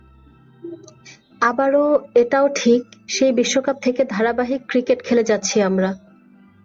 আবারও এটাও ঠিক, সেই বিশ্বকাপ থেকে ধারাবাহিক ক্রিকেট খেলে যাচ্ছি আমরা।